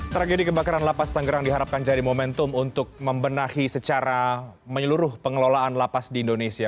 tragedi kebakaran lapas tanggerang diharapkan jadi momentum untuk membenahi secara menyeluruh pengelolaan lapas di indonesia